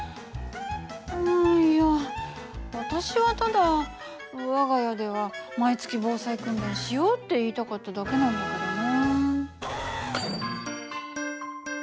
あいや私はただ我が家では毎月防災訓練しようって言いたかっただけなんだけどな。